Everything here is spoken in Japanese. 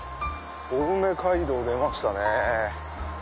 青梅街道出ましたね。